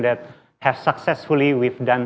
kita telah lakukan bersama